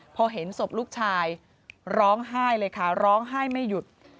พอเห็นศพลูกชายร้องไห้เลยค่ะร้องไห้ไม่หยุด